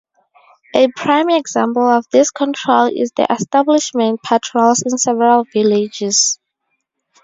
A prime example of this control is the establishment patrols in several villages.